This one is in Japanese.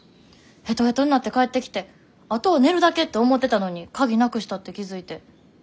ヘトヘトになって帰ってきてあとは寝るだけって思ってたのに鍵なくしたって気付いて。